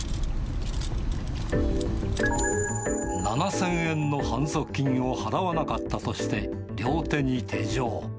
７０００円の反則金を払わなかったとして、両手に手錠。